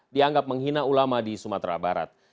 dianggap menghina ulama di sumatera barat